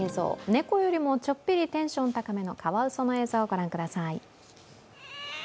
猫よりもちょっぴりテンション高めのカワウソの映像御覧ください。